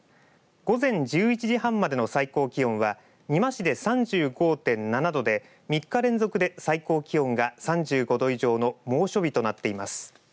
午前１１時半までの最高気温は美馬市で３５．７度で３日連続で最高気温が３５度以上の猛暑日となっています。